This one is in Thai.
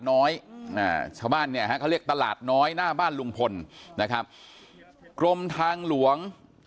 เพื่อมาวัดระยะสิ่งปลูกสร้าง